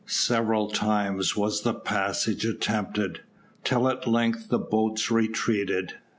Several times was the passage attempted, till at length the boats retreated.